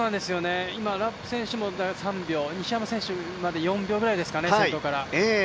ラップ選手も３秒、西山選手まで４秒ぐらいですかね先頭から。